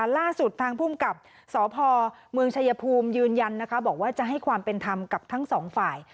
ล่าสุดทางภูมิกับสพเมืองชายภูมิยืนยันนะคะบอกว่าจะให้ความเป็นธรรมกับทั้งสองฝ่าย